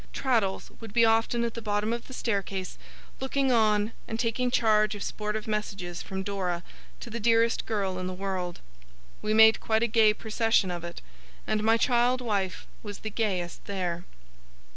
Traddles would be often at the bottom of the staircase, looking on, and taking charge of sportive messages from Dora to the dearest girl in the world. We made quite a gay procession of it, and my child wife was the gayest there.